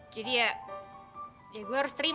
jadi ya ya gue harus terima lah